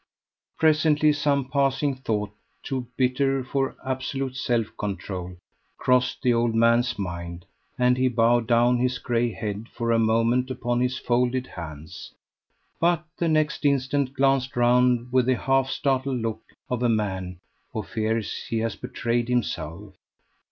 Presently some passing thought too bitter for absolute self control, crossed the old man's mind, and he bowed down his gray head for a moment upon his folded hands; but the next instant glanced round with the half startled look of a man who fears he has betrayed himself.